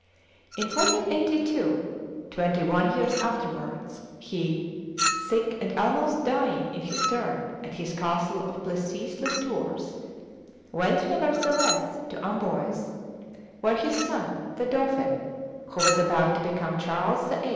In 1482, twenty one years afterwards, he, sick and almost dying in his turn at his castle of Plessis les Tours, went, nevertheless, to Amboise, where his son the dauphin, who was about to become Charles VIII.